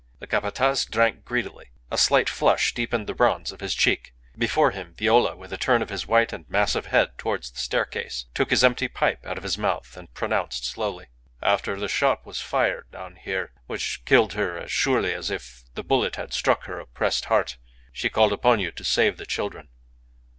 The Capataz drank greedily. A slight flush deepened the bronze of his cheek. Before him, Viola, with a turn of his white and massive head towards the staircase, took his empty pipe out of his mouth, and pronounced slowly "After the shot was fired down here, which killed her as surely as if the bullet had struck her oppressed heart, she called upon you to save the children.